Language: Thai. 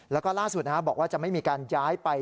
แล้วก็ล่าสุดบอกว่าจะไม่มีการย้ายไป